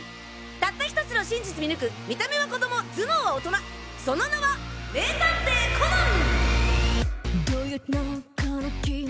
たった１つの真実見抜く見た目は子供頭脳は大人その名は名探偵コナン！